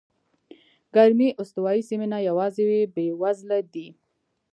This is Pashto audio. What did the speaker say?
ګرمې استوایي سیمې نه یوازې بېوزله دي.